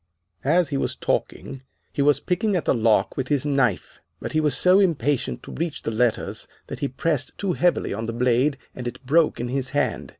"As he was talking he was picking at the lock with his knife, but he was so impatient to reach the letters that he pressed too heavily on the blade and it broke in his hand.